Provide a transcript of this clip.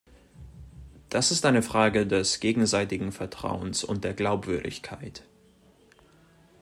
Das ist eine Frage des gegenseitigen Vertrauens und der Glaubwürdigkeit.